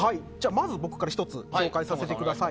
まず僕から紹介させてください。